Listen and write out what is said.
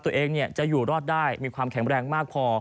ตัวเองจะอยู่รอดได้มีความแข็งแรงมากพอ